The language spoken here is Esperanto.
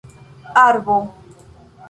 arbo